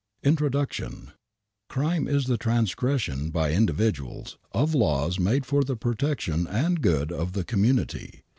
li S: INTRODUCTION. •J* i/^ *i^ J* y^RIME is the transgression, by individuals, \m of laws made for the protection and good of the community.